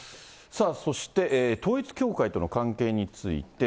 さあそして、統一教会との関係について。